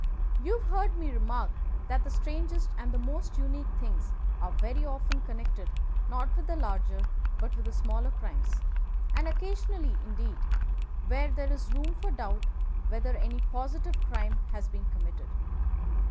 You have heard me remark that the strangest and most unique things are very often connected not with the larger but with the smaller crimes, and occasionally, indeed, where there is room for doubt whether any positive crime has been committed.